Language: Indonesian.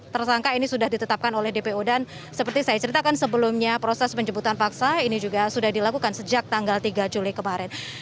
tersangka ini sudah ditetapkan oleh dpo dan seperti saya ceritakan sebelumnya proses penjemputan paksa ini juga sudah dilakukan sejak tanggal tiga juli kemarin